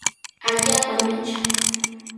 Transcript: Allaapami achan.